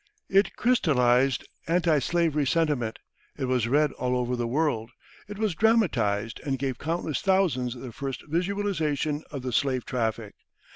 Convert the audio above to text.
It crystallized anti slavery sentiment, it was read all over the world, it was dramatized and gave countless thousands their first visualization of the slave traffic.